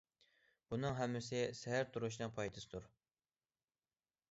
بۇنىڭ ھەممىسى سەھەر تۇرۇشنىڭ پايدىسىدۇر.